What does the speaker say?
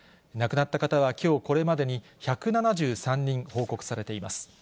亡くなった方はきょうこれまでに、１７３人報告されています。